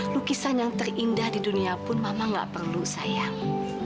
lukisan yang terindah di dunia pun mama gak perlu sayang